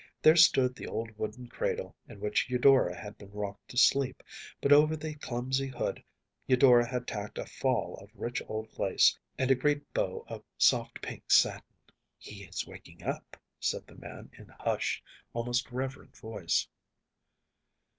There stood the old wooden cradle in which Eudora had been rocked to sleep, but over the clumsy hood Eudora had tacked a fall of rich old lace and a great bow of soft pink satin. “He is waking up,‚ÄĚ said the man, in a hushed, almost reverent voice.